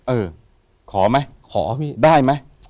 เออขอมั้ยได้มั้ย